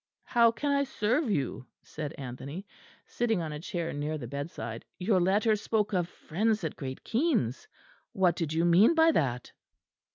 "How can I serve you?" said Anthony, sitting on a chair near the bedside. "Your letter spoke of friends at Great Keynes. What did you mean by that?"